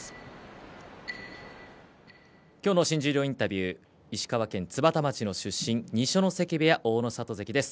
今日の新十両インタビュー石川県津幡町出身二所ノ関部屋の大の里関です。